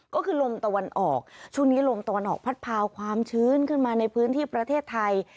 ก็คือลมตะวันออกช่วงนี้ลมตะวันออกพัดพาความชื้นขึ้นมาในพื้นที่ประเทศไทย